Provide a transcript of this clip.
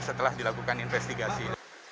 setelah dilakukan investigasi